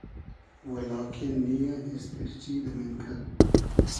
و لاکین نییۂ اېستیرچی دۂ مېنکئل